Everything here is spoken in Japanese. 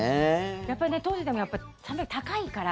やっぱり当時でも３００円、高いから。